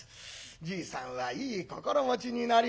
じいさんはいい心持ちになりまして。